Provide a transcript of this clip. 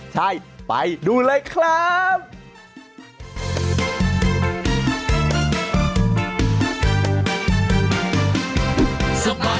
ใช่ไปดูเลยครับ